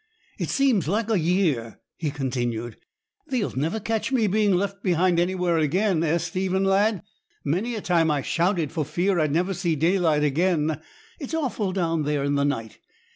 'It seems like a year,' he continued; 'thee'lt never catch me being left behind anywhere again. Eh, Stephen, lad! many a time I shouted for fear I'd never see daylight again; it's awful down there in the night.